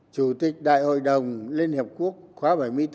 chủ tịch đại hội đồng liên hợp quốc khóa bảy mươi bốn